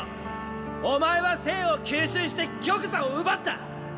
お前は政を急襲して玉座を奪った。